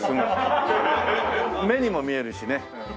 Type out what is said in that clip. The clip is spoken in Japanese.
目にも見えるしね。